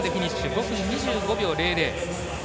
５分２５秒００。